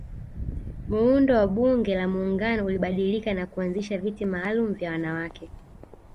Muundo wa bunge la muungano ulibadilika na kuanzisha viti malumu vya wanawake